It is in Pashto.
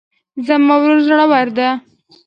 زما ملګری زړور ده